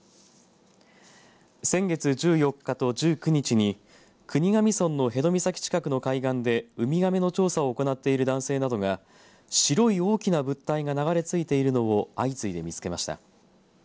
先月１４日と１９日に国頭村の辺戸岬近くの海岸でウミガメの調査を行っている男性などが白い大きな物体が流れ着いているのを相次いで見つけました。